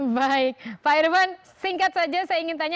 baik pak irvan singkat saja saya ingin tanya